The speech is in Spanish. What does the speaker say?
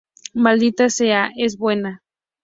Maldita sea, es buena".